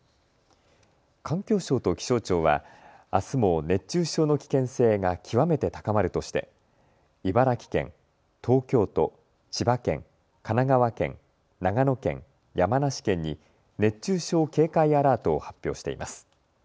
環境省と気象庁はあすも熱中症の危険性が極めて高まるとして茨城県、東京都、千葉県、神奈川県、長野県、山梨県に熱中症警戒アラートを発表しています。